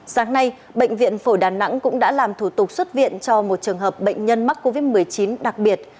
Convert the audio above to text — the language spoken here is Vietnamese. sáng nay bệnh viện phổi đà nẵng cũng đã làm thủ tục xuất viện cho một trường hợp bệnh nhân mắc covid một mươi chín đặc biệt